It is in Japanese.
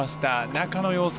中の様子